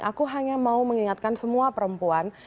aku hanya mau mengingatkan semua perempuan